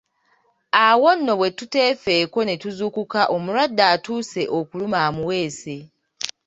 Awo nno bwe tutefeeko ne tuzuukuka omulwadde atuuse okuluma amuweese!